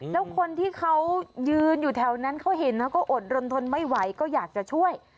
แล้วคนที่เขายืนอยู่แถวนั้นเขาเห็นแล้วก็อดรนทนไม่ไหวก็อยากจะช่วย